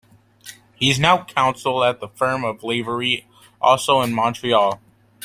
He is now Counsel at the firm of Lavery, also in Montreal.